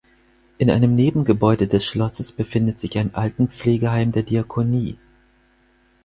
In einem Nebengebäude des Schlosses befindet sich ein Altenpflegeheim der Diakonie.